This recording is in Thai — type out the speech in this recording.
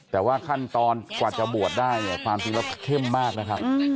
แต่ว่าขั้นตอนกว่าจะบวชได้เนี่ยความจริงแล้วเข้มมากนะครับ